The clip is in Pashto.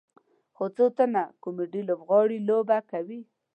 څو تنه کامیډي لوبغاړي لوبه کوي.